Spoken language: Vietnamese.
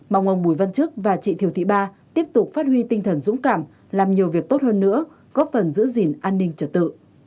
mong ông bùi văn chức và chị thiều thị ba tiếp tục phát huy tinh thần dũng cảm làm nhiều việc tốt hơn nữa góp phần giữ gìn an ninh trật tự